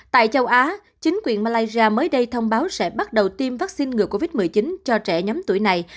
tại châu á chính quyền malaysia mới đây thông báo sẽ bắt đầu tiêm vaccine ngừa covid một mươi chín cho trẻ nhóm tuổi này